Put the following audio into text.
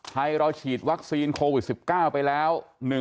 เราฉีดวัคซีนโควิด๑๙ไปแล้ว